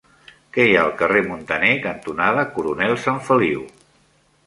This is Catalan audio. Què hi ha al carrer Muntaner cantonada Coronel Sanfeliu?